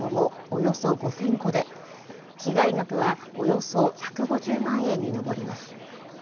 およそ５０００個で、被害額はおよそ１５０万円に上ります。